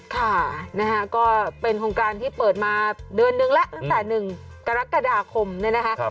ค่ะนะฮะก็เป็นโครงการที่เปิดมาเดือนนึงแล้วตั้งแต่๑กรกฎาคมเนี่ยนะคะ